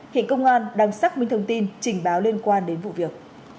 hiện công an đang xác minh thông tin trình báo liên quan đến vụ việc